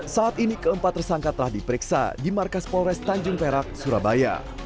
saat ini keempat tersangka telah diperiksa di markas polres tanjung perak surabaya